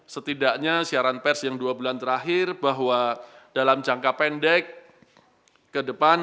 setidaknya siaran pers yang dua bulan terakhir bahwa dalam jangka pendek ke depan